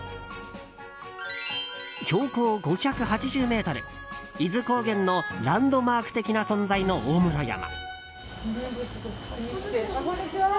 標高５８０ｍ、伊豆高原のランドマーク的な存在の大室山。